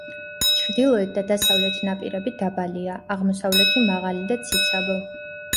ჩრდილოეთ და დასავლეთ ნაპირები დაბალია, აღმოსავლეთი მაღალი და ციცაბო.